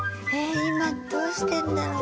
今どうしてんだろう？